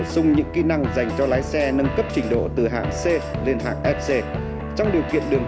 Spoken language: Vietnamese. sung những kỹ năng dành cho lái xe nâng cấp trình độ từ hạng c lên hạng fc trong điều kiện đường